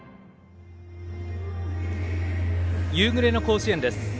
夕暮れの甲子園です。